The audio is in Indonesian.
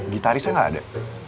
gitarisnya gak ada